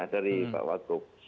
dari pak wakup